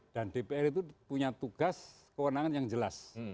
dan dpr itu punya tugas kewenangan yang jelas